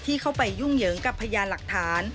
เข้าไปยุ่งเหยิงกับพยานหลักฐาน